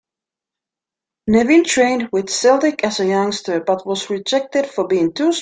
Nevin trained with Celtic as a youngster, but was rejected for being too small.